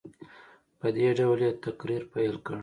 په دې ډول یې تقریر پیل کړ.